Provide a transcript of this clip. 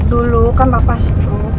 dulu kan papa seteru